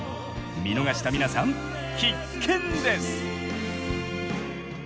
見逃した皆さん必見です！